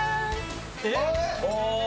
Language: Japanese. えっ！？